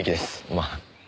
まあ。